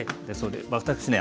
私ね